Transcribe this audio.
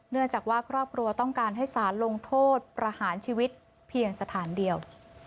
เนื่องจากว่าครอบครัวต้องการให้สารลงโทษประหารชีวิตเพียงสถานเดียว